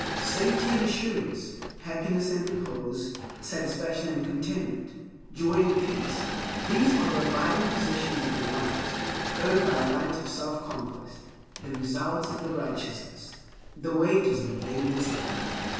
Safety and assurance, happiness and repose, satisfaction and contentment, joy and peace—these are the abiding possessions of the wise, earned by right of selfconquest, the results of righteousness, the wages of a blameless life.